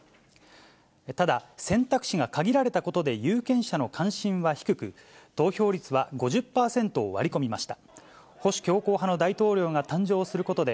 ただ、選択肢が限られたことで、有権者の関心は低く、投票率は５０％を割り込みました。